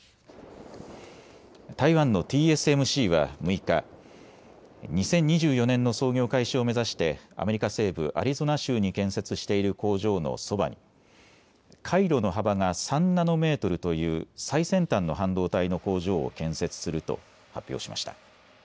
台湾のＴＳＭＣは６日、２０２４年の操業開始を目指してアメリカ西部アリゾナ州に建設している工場のそばに回路の幅が３ナノメートルという最先端の半導体の工場を建設すると発表しました。